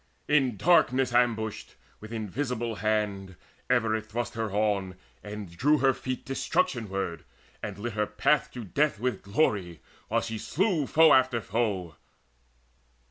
In darkness ambushed, with invisible hand Ever it thrust her on, and drew her feet Destruction ward, and lit her path to death With glory, while she slew foe after foe.